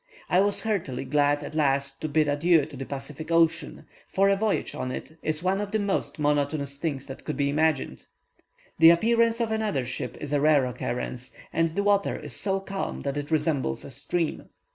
I was heartily glad at last to bid adieu to the Pacific Ocean, for a voyage on it is one of the most monotonous things that can be imagined. The appearance of another ship is a rare occurrence; and the water is so calm that it resembles a stream.